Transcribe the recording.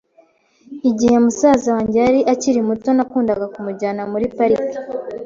Igihe musaza wanjye yari akiri muto, nakundaga kumujyana muri parike.